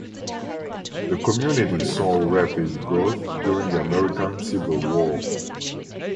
The community saw rapid growth during the American Civil War.